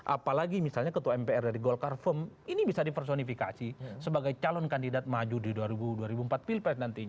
apalagi misalnya ketua mpr dari golkar firm ini bisa dipersonifikasi sebagai calon kandidat maju di dua ribu empat pilpres nantinya